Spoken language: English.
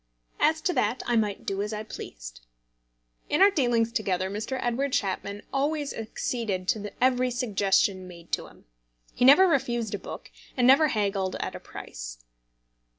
As to that, I might do as I pleased. In our dealings together Mr. Edward Chapman always acceded to every suggestion made to him. He never refused a book, and never haggled at a price.